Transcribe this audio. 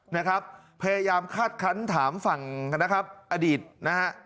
นะครับพยายามคาดคันถามฝั่งนะครับอดีตนะฮะ